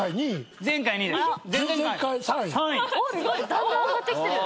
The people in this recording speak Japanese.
だんだん上がってきてる。